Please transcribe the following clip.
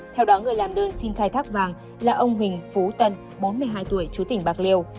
theo đó người làm đơn xin khai thác vàng là ông huỳnh phú tân bốn mươi hai tuổi chú tỉnh bạc liêu